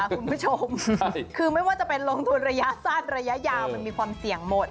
คุณผู้ชมคือไม่ว่าจะเป็นลงทุนระยะสั้นระยะยาวมันมีความเสี่ยงหมด